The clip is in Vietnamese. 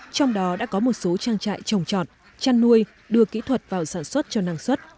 trong đó đã có một số trang trại trồng trọt chăn nuôi đưa kỹ thuật vào sản xuất cho năng suất